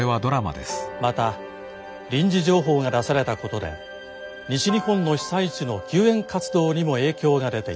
また臨時情報が出されたことで西日本の被災地の救援活動にも影響が出ています。